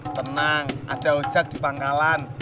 tenang ada ujak di pangkalan